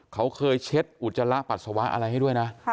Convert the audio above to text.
เขาเคยเช็ดอุจจาระปัสสาวะอะไรให้ด้วยนะ